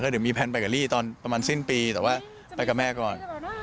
เดี๋ยวมีแพลนไปกับลี่ตอนประมาณสิ้นปีแต่ว่าไปกับแม่ก่อน